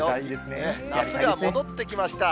夏が戻ってきました。